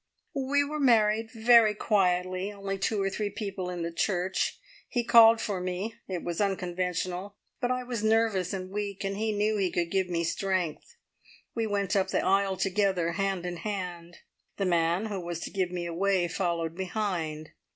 "We were married very quietly. Only two or three people in the church. He called for me. It was unconventional, but I was nervous and weak, and he knew he could give me strength. We went up the aisle together, hand in hand. The man who was to give me away followed behind.